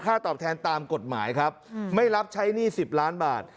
ตอบแทนตามกฎหมายครับไม่รับใช้หนี้๑๐ล้านบาท